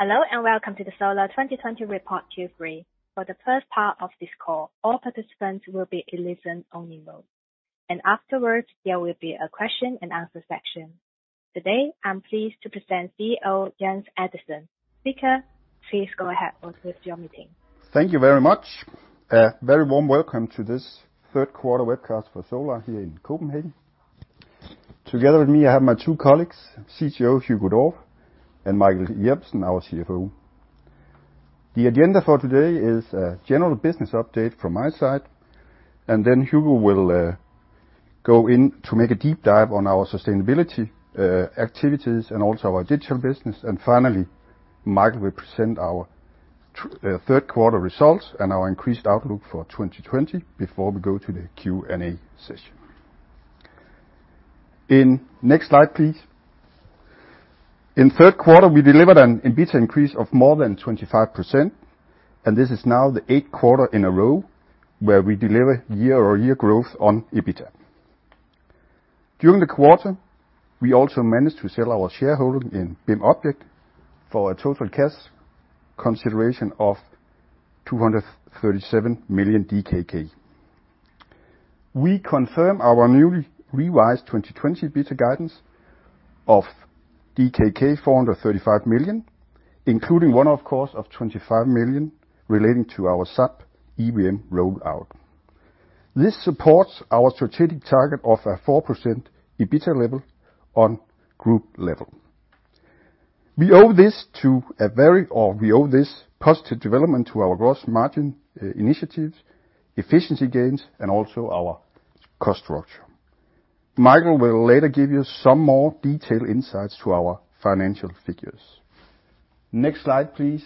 Hello and welcome to the Solar 2020 report Q3. For the first part of this call, all participants will be in listen-only mode, and afterwards there will be a question and answer section. Today, I'm pleased to present CEO Jens Andersen. Speakers, please go ahead with your meeting. Thank you very much. A very warm welcome to this third quarter webcast for Solar here in Copenhagen. Together with me, I have my two colleagues, CCO Hugo Dorph, and Michael Jeppesen, our CFO. The agenda for today is a general business update from my side, and then Hugo will go in to make a deep dive on our sustainability activities and also our digital business. And finally, Michael will present our third quarter results and our increased outlook for 2020 before we go to the Q&A session. In next slide, please. In third quarter, we delivered an EBITDA increase of more than 25%, and this is now the eighth quarter in a row where we deliver year-over-year growth on EBITDA. During the quarter, we also managed to sell our shareholding in BIMobject for a total cash consideration of 237 million DKK. We confirm our newly revised 2020 EBITDA guidance of DKK 435 million, including one-off costs of 25 million relating to our SAP EWM rollout. This supports our strategic target of a 4% EBITDA level on group level. We owe this positive development to our gross margin initiatives, efficiency gains, and also our cost structure. Michael will later give you some more detailed insights to our financial figures. Next slide, please.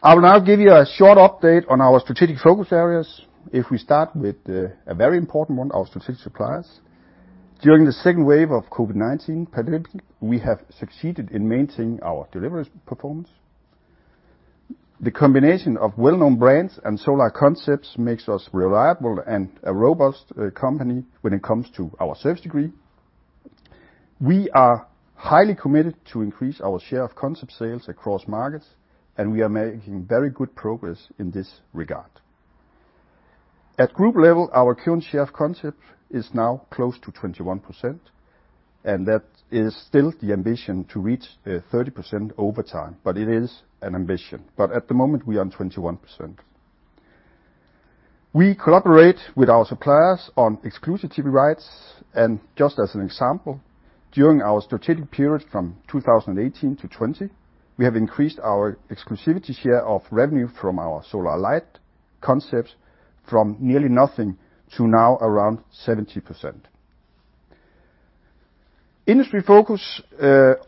I will now give you a short update on our strategic focus areas. We start with a very important one, our strategic suppliers. During the second wave of COVID-19 pandemic, we have succeeded in maintaining our delivery performance. The combination of well-known brands and Solar concepts makes us reliable and a robust company when it comes to our service degree. We are highly committed to increase our share of concept sales across markets, and we are making very good progress in this regard. At group level, our current share of concept is now close to 21% and that is still the ambition to reach 30% over time. It is an ambition, but at the moment we are on 21%. We collaborate with our suppliers on exclusivity rights, and just as an example, during our strategic period from 2018-2020, we have increased our exclusivity share of revenue from our Solar Light concepts from nearly nothing to now around 70%. Industry focus,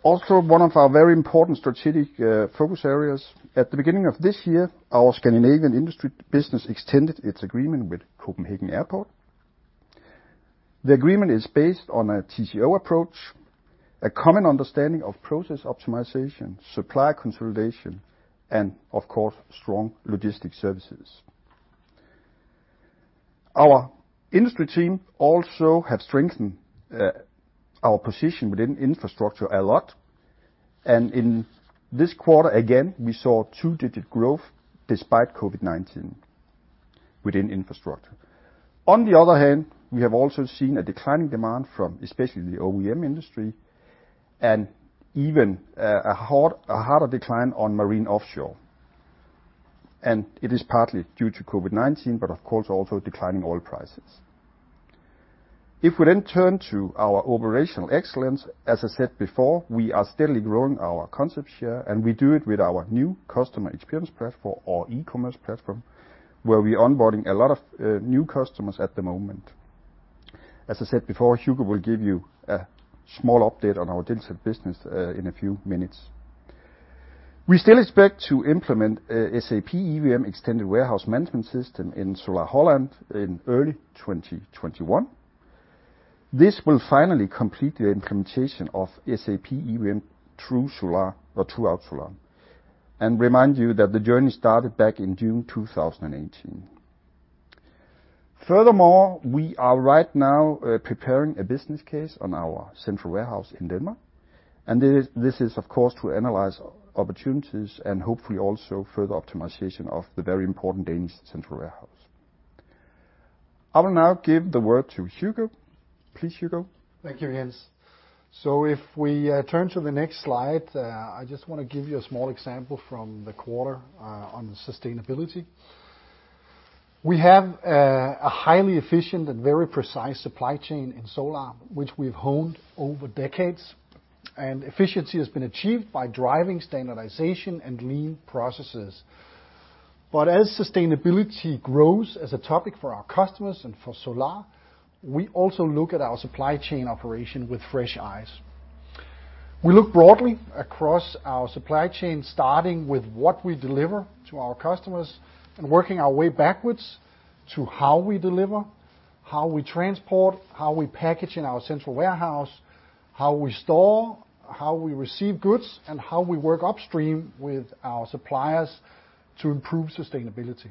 also one of our very important strategic focus areas. At the beginning of this year, our Scandinavian industry business extended its agreement with Copenhagen Airport. The agreement is based on a TCO approach, a common understanding of process optimization, supplier consolidation, and of course, strong logistics services. Our industry team also have strengthened our position within infrastructure a lot, in this quarter, again, we saw 2-digit growth despite COVID-19 within infrastructure. On the other hand, we have also seen a declining demand from especially the OEM industry, and even a harder decline on Marine & Offshore. It is partly due to COVID-19, but of course also declining oil prices. If we then turn to our operational excellence, as I said before, we are steadily growing our concept share, and we do it with our new customer experience platform or e-commerce platform where we are onboarding a lot of new customers at the moment. As I said before, Hugo will give you a small update on our digital business in a few minutes. We still expect to implement SAP EWM Extended Warehouse Management system in Solar Holland in early 2021. This will finally complete the implementation of SAP EWM throughout Solar. Remind you that the journey started back in June 2018. Furthermore, we are right now preparing a business case on our central warehouse in Denmark. This is of course to analyze opportunities and hopefully also further optimization of the very important Danish central warehouse. I will now give the word to Hugo. Please Hugo. Thank you Jens. If we turn to the next slide, I just want to give you a small example from the quarter, on sustainability. We have a highly efficient and very precise supply chain in Solar, which we've honed over decades, and efficiency has been achieved by driving standardization and lean processes. As sustainability grows as a topic for our customers and for Solar, we also look at our supply chain operation with fresh eyes. We look broadly across our supply chain, starting with what we deliver to our customers and working our way backwards to how we deliver, how we transport, how we package in our central warehouse, how we store, how we receive goods, and how we work upstream with our suppliers to improve sustainability.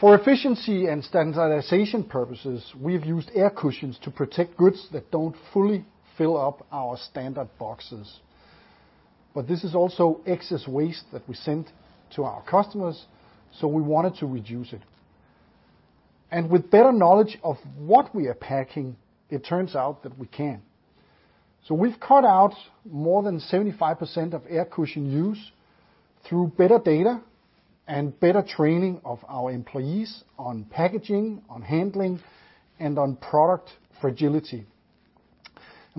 For efficiency and standardization purposes, we've used air cushions to protect goods that don't fully fill up our standard boxes. This is also excess waste that we send to our customers, so we wanted to reduce it. With better knowledge of what we are packing, it turns out that we can. We've cut out more than 75% of air cushion use through better data and better training of our employees on packaging, on handling, and on product fragility.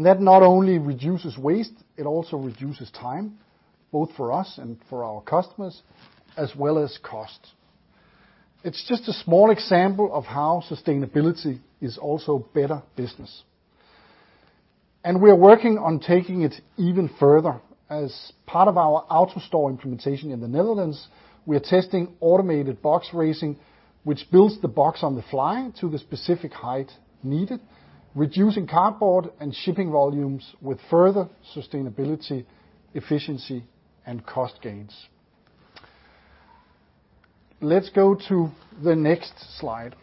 That not only reduces waste, it also reduces time, both for us and for our customers, as well as cost. It's just a small example of how sustainability is also Better Business. We are working on taking it even further. As part of our AutoStore implementation in the Netherlands, we are testing automated box raising, which builds the box on the fly to the specific height needed, reducing cardboard and shipping volumes with further sustainability, efficiency, and cost gains. Let's go to the next slide.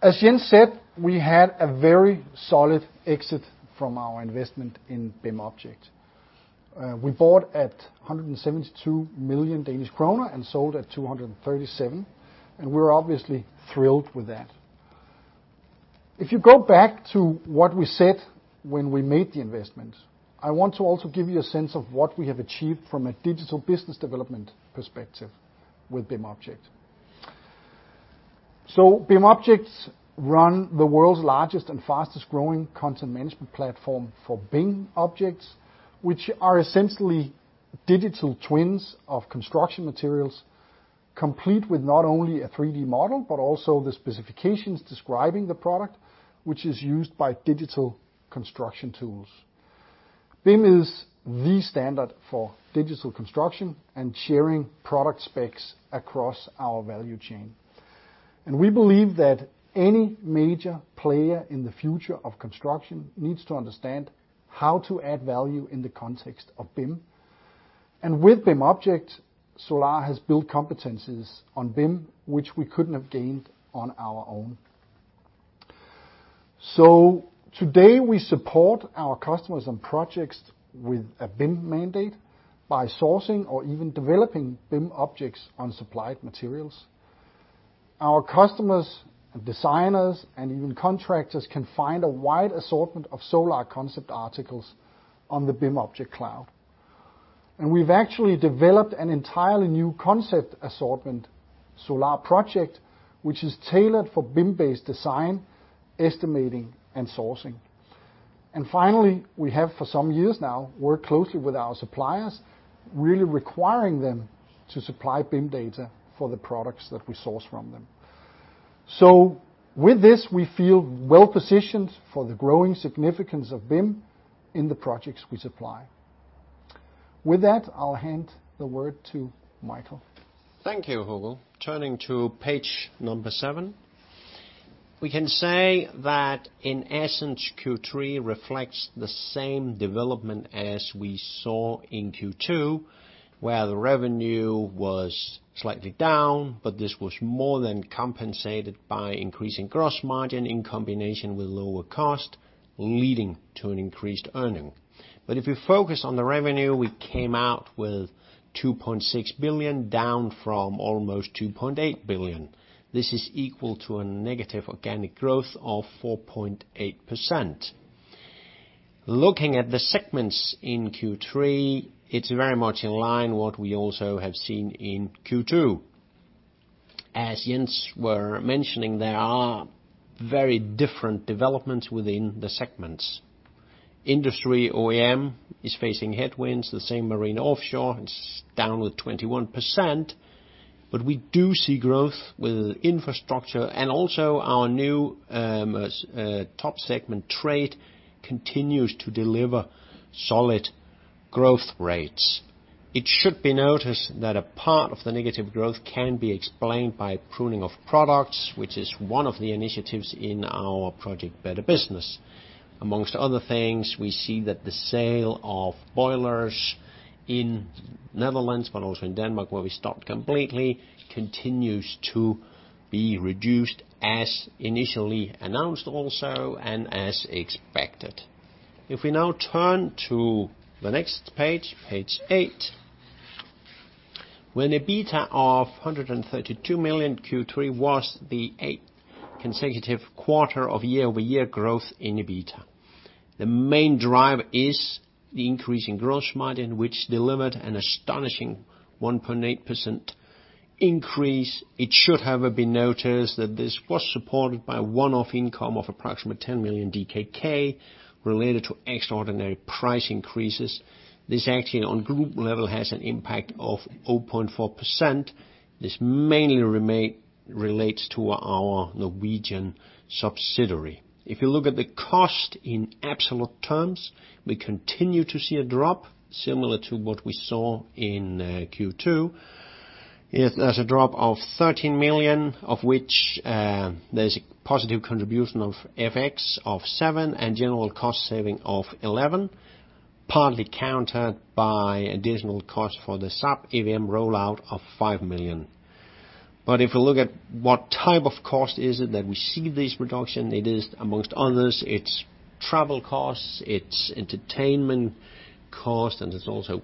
As Jens said, we had a very solid exit from our investment in BIMobject. We bought at 172 million Danish kroner and sold at 237 million, and we're obviously thrilled with that. If you go back to what we said when we made the investment, I want to also give you a sense of what we have achieved from a digital business development perspective with BIMobject. BIMobject run the world's largest and fastest-growing content management platform for BIM objects, which are essentially digital twins of construction materials, complete with not only a 3D model, but also the specifications describing the product, which is used by digital construction tools. BIM is the standard for digital construction and sharing product specs across our value chain. We believe that any major player in the future of construction needs to understand how to add value in the context of BIM. With BIMobject, Solar has built competencies on BIM, which we couldn't have gained on our own. Today we support our customers on projects with a BIM mandate by sourcing or even developing BIM objects on supplied materials. Our customers and designers and even contractors can find a wide assortment of Solar concept articles on the BIMobject cloud. We've actually developed an entirely new concept assortment, Solar Project, which is tailored for BIM-based design, estimating, and sourcing. Finally, we have for some years now, worked closely with our suppliers, really requiring them to supply BIM data for the products that we source from them. With this, we feel well-positioned for the growing significance of BIM in the projects we supply. With that, I'll hand the word to Michael. Thank you Hugo. Turning to page number seven. We can say that in essence, Q3 reflects the same development as we saw in Q2, where the revenue was slightly down, but this was more than compensated by increasing gross margin in combination with lower cost leading to an increased earning. If we focus on the revenue, we came out with 2.6 billion down from almost 2.8 billion. This is equal to a negative organic growth of 4.8%. Looking at the segments in Q3, it's very much in line what we also have seen in Q2. As Jens was mentioning, there are very different developments within the segments. Industry OEM is facing headwinds. Marine & Offshore is down with 21%, but we do see growth with infrastructure and also our new top segment Trade continues to deliver solid growth rates. It should be noticed that a part of the negative growth can be explained by pruning of products, which is one of the initiatives in our project, Better Business. Amongst other things, we see that the sale of boilers in Netherlands, but also in Denmark, where we stopped completely, continues to be reduced as initially announced also, and as expected. If we now turn to the next page, page eight. With an EBITDA of 132 million, Q3 was the eighth consecutive quarter of year-over-year growth in EBITDA. The main driver is the increase in gross margin, which delivered an astonishing 1.8% increase. It should, however, be noticed that this was supported by a one-off income of approximately 10 million DKK related to extraordinary price increases. This actually on group level has an impact of 0.4%. This mainly relates to our Norwegian subsidiary. If you look at the cost in absolute terms, we continue to see a drop similar to what we saw in Q2. There's a drop of 13 million, of which there's a positive contribution of FX of 7 million and general cost saving of 11. Partly countered by additional cost for the SAP EWM rollout of 5 million. If we look at what type of cost is it that we see this reduction, it is among others, it's travel costs, it's entertainment cost, and it's also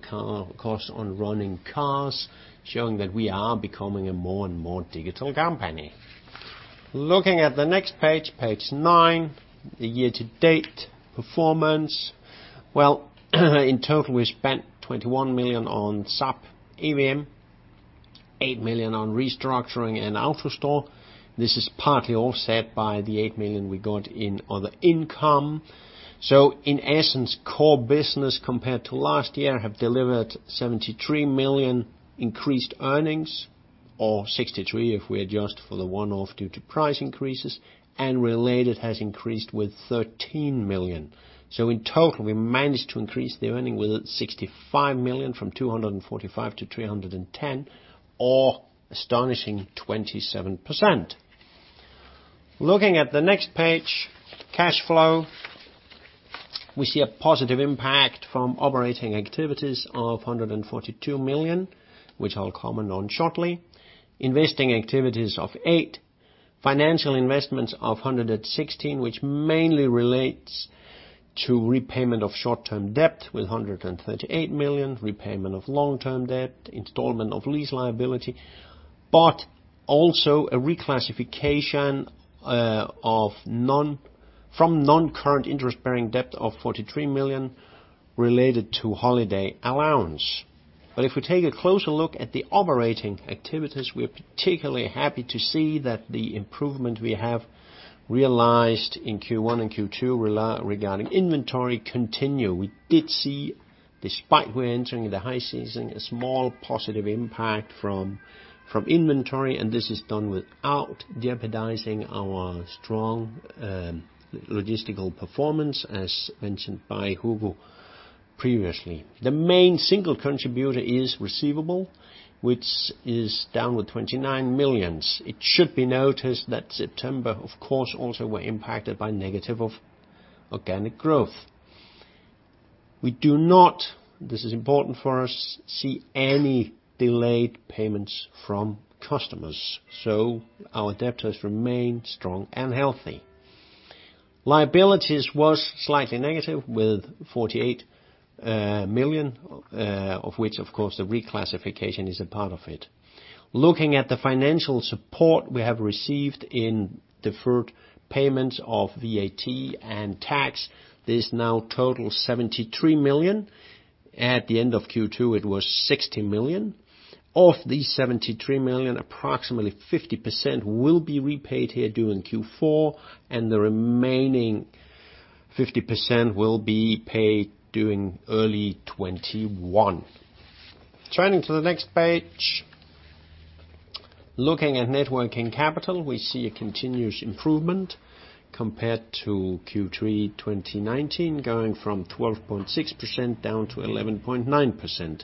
costs on running cars, showing that we are becoming a more and more digital company. Looking at the next page nine, the year to date performance. In total, we spent 21 million on SAP EWM, 8 million on restructuring and AutoStore. This is partly offset by the 8 million we got in other income. In essence, core business compared to last year has delivered 73 million increased earnings, or 63 million if we adjust for the one-off due to price increases, and related has increased with 13 million. In total, we managed to increase the earnings with 65 million from 245 million-310 million, or astonishing 27%. Looking at the next page, cash flow. We see a positive impact from operating activities of 142 million, which I will comment on shortly. Investing activities of 8 million, financial investments of 116 million, which mainly relates to repayment of short-term debt with 138 million, repayment of long-term debt, installment of lease liability. Also a reclassification from non-current interest-bearing debt of 43 million related to holiday allowance. If we take a closer look at the operating activities, we are particularly happy to see that the improvement we have realized in Q1 and Q2 regarding inventory continues. We did see, despite we're entering the high season, a small positive impact from inventory, and this is done without jeopardizing our strong logistical performance, as mentioned by Hugo previously. The main single contributor is receivable, which is down with 29 million. It should be noticed that September, of course, also were impacted by negative of organic growth. We do not, this is important for us to see any delayed payments from customers, so our debtors remain strong and healthy. Liabilities was slightly negative with 48 million, of which of course, the reclassification is a part of it. Looking at the financial support we have received in deferred payments of VAT and tax, this now total 73 million. At the end of Q2, it was 60 million. Of these 73 million, approximately 50% will be repaid here during Q4, and the remaining 50% will be paid during early 2021. Turning to the next page. Looking at net working capital, we see a continuous improvement compared to Q3 2019, going from 12.6% down to 11.9%.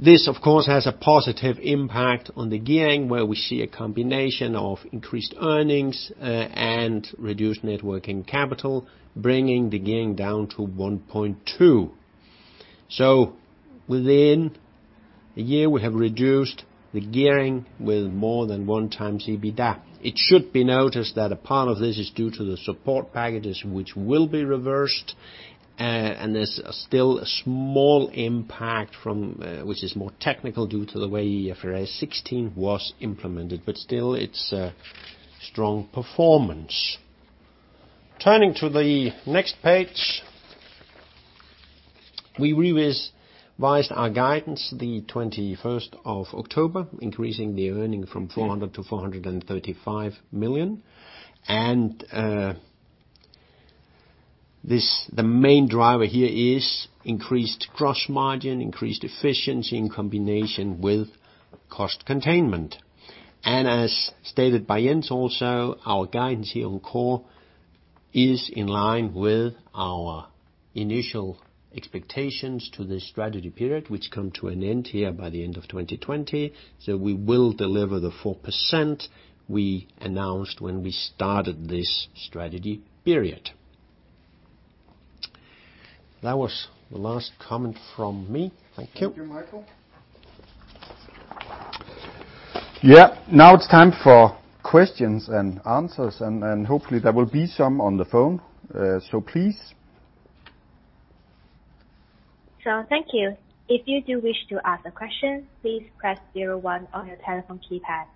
This, of course, has a positive impact on the gearing, where we see a combination of increased earnings, and reduced net working capital, bringing the gearing down to 1.2%. Within a year, we have reduced the gearing with more than one times EBITDA. It should be noticed that a part of this is due to the support packages which will be reversed, and there's still a small impact, which is more technical due to the way IFRS 16 was implemented, but still it's a strong performance. Turning to the next page. We revised our guidance the 21st of October, increasing the earning from 400 million-435 million. The main driver here is increased gross margin, increased efficiency in combination with cost containment. As stated by Jens also, our guidance here on core is in line with our initial expectations to the strategy period, which come to an end here by the end of 2020. We will deliver the 4% we announced when we started this strategy period. That was the last comment from me. Thank you. Thank you Michael. Now it's time for questions and answers, and hopefully there will be some on the phone. Please? Thank you. If you do wish to ask a question, please press zero one on your telephone keypad.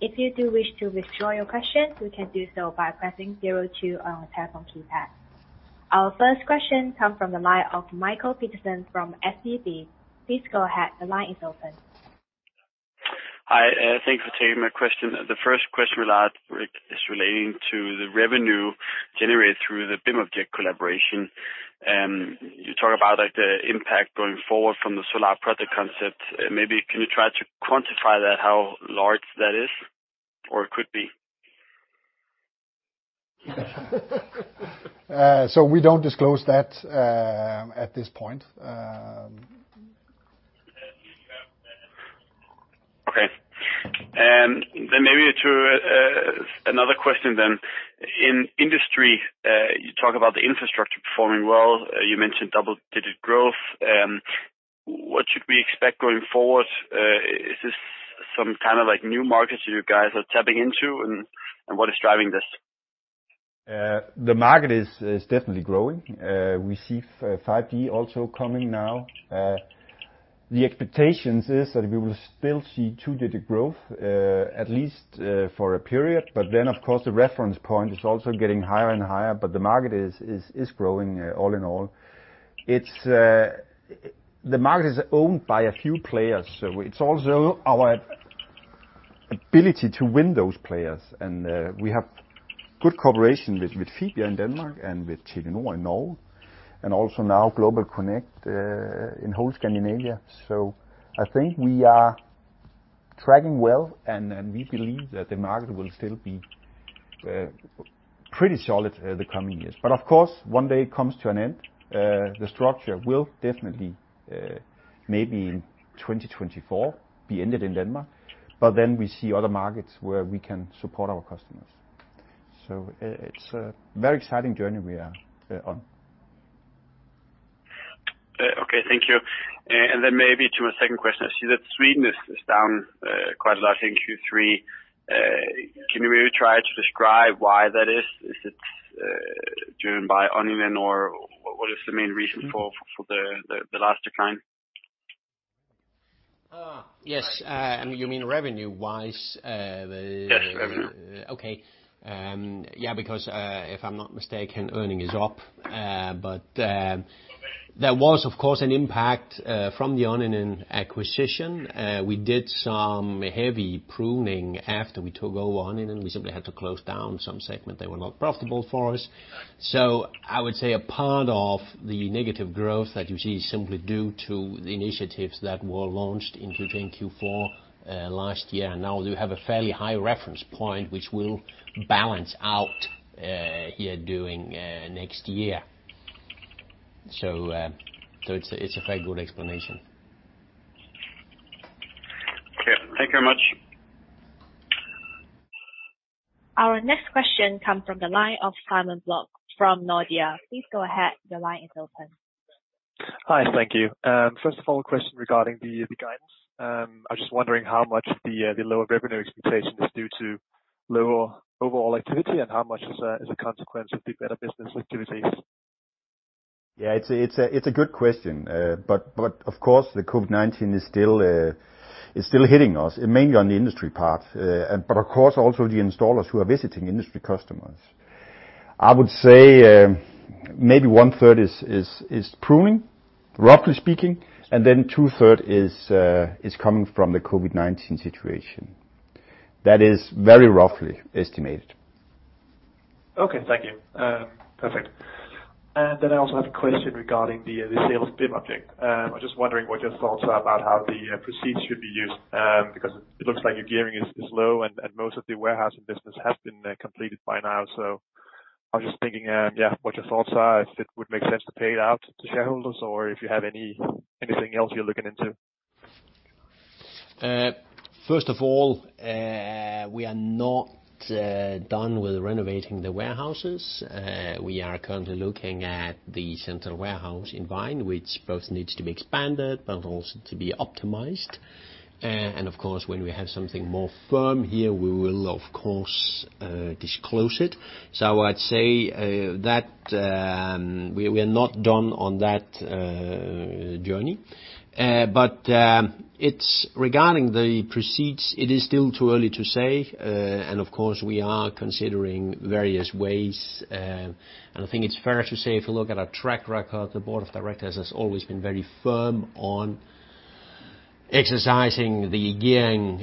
If you do wish to withdraw your question, you can do so by pressing zero two on your telephone keypad. Our first question come from the line of Michael Peterson from SEB. Please go ahead. The line is open. Hi thanks for taking my question. The first question we'll ask is relating to the revenue generated through the BIMobject collaboration. You talk about the impact going forward from the Solar product concept. Maybe can you try to quantify that, how large that is or could be? We don't disclose that at this point. Okay. Maybe another question then. In Industry, you talk about the infrastructure performing well, you mentioned double-digit growth. What should we expect going forward? Is this some kind of new markets you guys are tapping into and what is driving this? The market is definitely growing. We see 5G also coming now. The expectation is that we will still see two-digit growth, at least for a period, but then, of course, the reference point is also getting higher and higher, but the market is growing all in all. The market is owned by a few players, so it's also our ability to win those players. We have good cooperation with Fibia in Denmark and with Telenor in Norway, and also now GlobalConnect in whole Scandinavia. I think we are tracking well, and we believe that the market will still be pretty solid the coming years. Of course, one day it comes to an end. The structure will definitely, maybe in 2024, be ended in Denmark, but then we see other markets where we can support our customers. It's a very exciting journey we are on. Okay thank you. Then maybe to my second question, I see that Sweden is down quite a lot in Q3. Can you maybe try to describe why that is? Is it driven by Onninen, or what is the main reason for the last decline? Yes. You mean revenue-wise? Yes, revenue. Okay. Yeah, because if I'm not mistaken, earnings is up. There was, of course, an impact from the Onninen acquisition. We did some heavy pruning after we took over Onninen. We simply had to close down some segment. They were not profitable for us. I would say a part of the negative growth that you see is simply due to the initiatives that were launched, including Q4 last year. Now we have a fairly high reference point, which will balance out here during next year. It's a very good explanation. Okay. Thank you very much. Our next question comes from the line of Simon Block from Nordea. Please go ahead, your line is open. Hi. Thank you. First of all, a question regarding the guidance. I was just wondering how much the lower revenue expectation is due to lower overall activity and how much is a consequence of the Better Business activities? Yeah, it's a good question. Of course, the COVID-19 is still hitting us, mainly on the industry part. Of course, also the installers who are visiting industry customers. I would say maybe 1/3 is pruning, roughly speaking, 2/3 is coming from the COVID-19 situation. That is very roughly estimated. Okay. Thank you. Perfect. I also have a question regarding the sales BIMobject. I am just wondering what your thoughts are about how the proceeds should be used, because it looks like your gearing is low and most of the warehousing business has been completed by now. I was just thinking, yeah, what your thoughts are, if it would make sense to pay it out to shareholders, or if you have anything else you are looking into. We are not done with renovating the warehouses. We are currently looking at the central warehouse in Vejen, which both needs to be expanded but also to be optimized. Of course, when we have something more firm here, we will of course disclose it. I'd say that we are not done on that journey. Regarding the proceeds, it is still too early to say. Of course, we are considering various ways. I think it's fair to say if you look at our track record, the board of directors has always been very firm on exercising the gearing,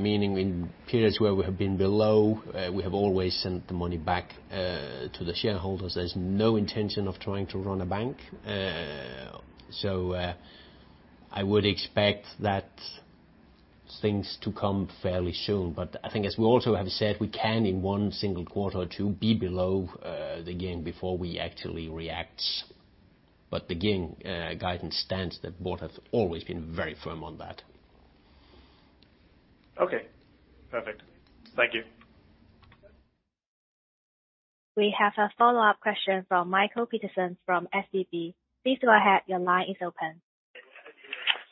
meaning in periods where we have been below, we have always sent the money back to the shareholders. There's no intention of trying to run a bank. I would expect that things to come fairly soon. I think as we also have said, we can in one single quarter or two be below the gain before we actually react. The gain guidance stands, the board has always been very firm on that. Okay. Perfect. Thank you. We have a follow-up question from Michael Peterson from SEB. Please go ahead, your line is open.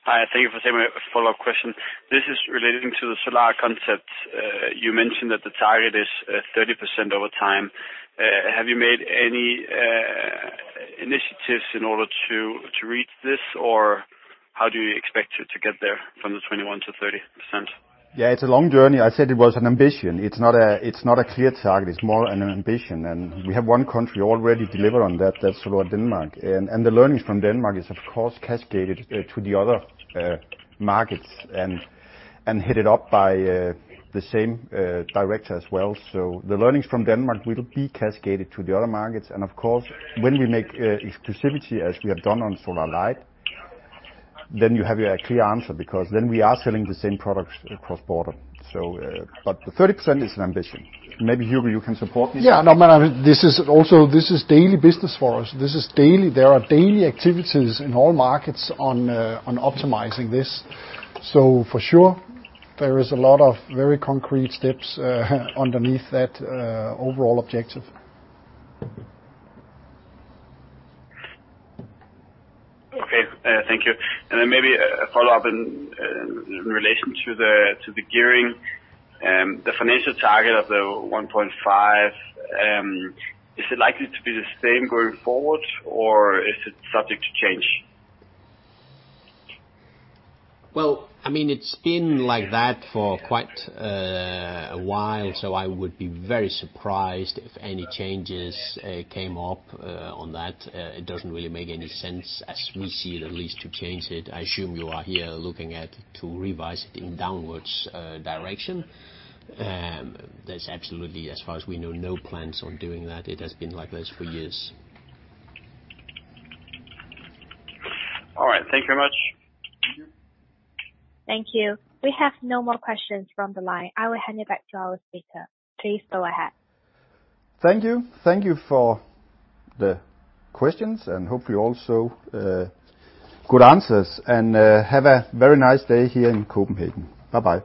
Hi. Thank you for taking my follow-up question. This is relating to the Solar concept. You mentioned that the target is 30% over time. Have you made any initiatives in order to reach this, or how do you expect to get there from the 21%-30%? It's a long journey. I said it was an ambition. It's not a clear target, it's more an ambition, and we have one country already delivered on that. That's Solar Denmark. The learnings from Denmark is of course cascaded to the other markets and headed up by the same director as well. The learnings from Denmark will be cascaded to the other markets, and of course, when we make exclusivity as we have done on Solar light, then you have your clear answer, because then we are selling the same products across border. The 30% is an ambition. Maybe Hugo, you can support this. Yeah. This is daily business for us. There are daily activities in all markets on optimizing this. For sure, there is a lot of very concrete steps underneath that overall objective. Okay. Thank you. Maybe a follow-up in relation to the gearing, the financial target of the 1.5x, is it likely to be the same going forward, or is it subject to change? Well, it's been like that for quite a while. I would be very surprised if any changes came up on that. It doesn't really make any sense, as we see it, at least, to change it. I assume you are here looking at to revise it in downwards direction. There's absolutely, as far as we know, no plans on doing that. It has been like this for years. All right. Thank you very much. Thank you. We have no more questions from the line. I will hand it back to our speaker. Please go ahead. Thank you. Thank you for the questions and hopefully also good answers. Have a very nice day here in Copenhagen. Bye-bye